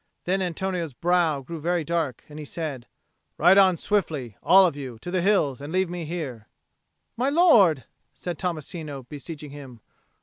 Then Antonio's brow grew dark and he said, "Ride on swiftly, all of you, to the hills, and leave me here." "My lord!" said Tommasino, beseeching him.